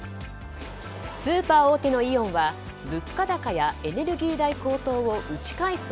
スーパー大手のイオンは物価高やエネルギー代高騰を打ち返す！